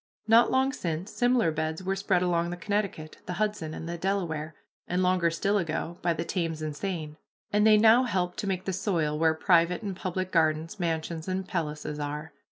Not long since, similar beds were spread along the Connecticut, the Hudson, and the Delaware, and longer still ago, by the Thames and Seine, and they now help to make the soil where private and public gardens, mansions, and palaces are.